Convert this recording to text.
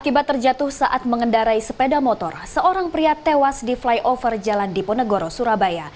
akibat terjatuh saat mengendarai sepeda motor seorang pria tewas di flyover jalan diponegoro surabaya